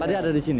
tadi ada di sini